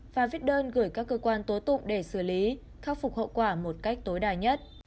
và viết đơn gửi các cơ quan tố tụng để xử lý khắc phục hậu quả một cách tối đa nhất